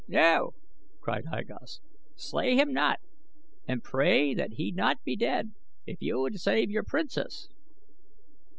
"No!" cried I Gos. "Slay him not and pray that he be not dead if you would save your princess."